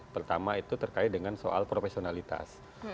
pertama itu terkait dengan soal profesionalitas